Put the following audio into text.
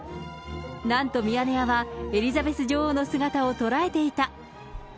なんとミヤネ屋は、エリザベス女王の姿を捉えていた。